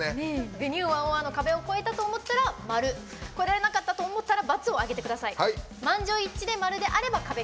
「Ｖｅｎｕｅ１０１」の壁を越えたと思ったら○越えられなかったと思ったら×をあげてください。